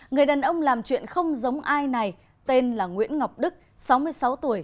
người đàn ông làm chuyện không giống ai này tên là nguyễn ngọc đức sáu mươi sáu tuổi